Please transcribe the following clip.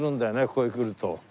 ここへ来ると。